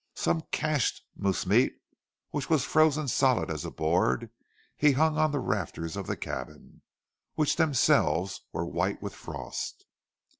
Some cached moose meat, which was frozen solid as a board, he hung on the rafters of the cabin, which themselves were white with frost.